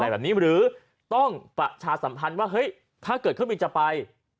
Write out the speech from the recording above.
แบบนี้หรือต้องประชาสัมพันธ์ว่าเฮ้ยถ้าเกิดเครื่องบินจะไป